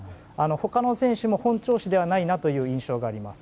他の選手も本調子ではないなという印象があります。